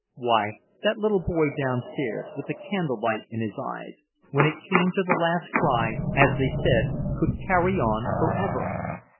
Why, that little boy downstairs, with the candlelight in his eyes, when it came to the last cry, as they said, could "carry on" for ever!